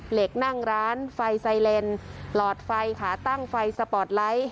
เหล็กนั่งร้านไฟไซเลนหลอดไฟขาตั้งไฟสปอร์ตไลท์